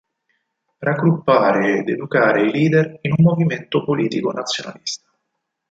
Raggruppare ed educare i leader in un movimento politico nazionalista.